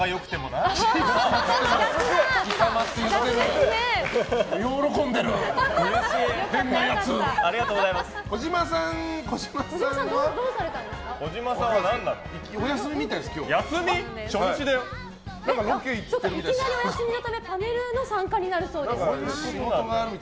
いきなりお休みのためパネルでの参加になるそうです。